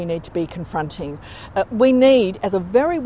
kita perlu sebagai negara yang sangat kaya